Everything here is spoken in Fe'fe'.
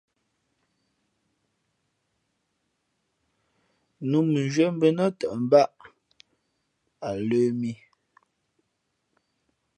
Nǔ mʉnzhwīē bα̌ nά tαʼ mbāʼ a lə̄ mī.